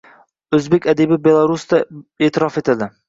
Oʻzbek adibi Belarusda eʼtirof etildi